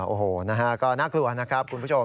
โอ้โหนะฮะก็น่ากลัวนะครับคุณผู้ชม